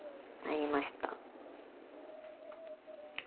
参りました。